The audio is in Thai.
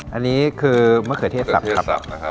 อันนี้คือมะเขือเทศสนะครับ